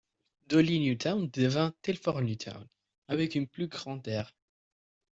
Dawley New Town devint Telford New Town avec une plus grande aire.